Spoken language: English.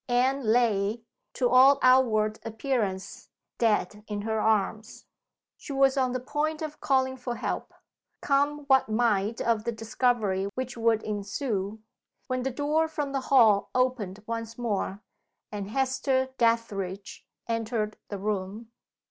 Anne lay, to all outward appearance, dead in her arms. She was on the point of calling for help come what might of the discovery which would ensue when the door from the hall opened once more, and Hester Dethridge entered the room.